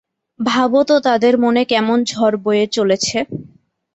ভাবো তো তাদের মনে কেমন ঝড় বয়ে চলেছে।